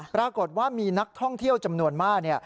ปรากฏว่ามีนักท่องเที่ยวจำนวนมาก